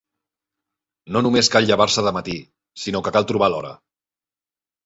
No només cal llevar-se de matí, sinó que cal trobar l'hora.